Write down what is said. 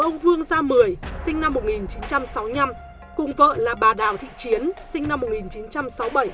ông vương gia mười sinh năm một nghìn chín trăm sáu mươi năm cùng vợ là bà đào thị chiến sinh năm một nghìn chín trăm sáu mươi bảy